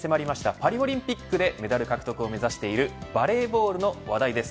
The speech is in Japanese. パリオリンピックメダル獲得を目指しているバレーボールの話題です。